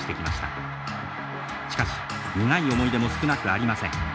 しかし苦い思い出も少なくありません。